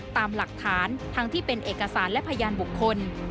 ตามหลักฐานทั้งที่เป็นเอกสารและพยานบุคคล